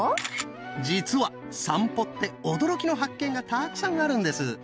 実は散歩って驚きの発見がたくさんあるんです。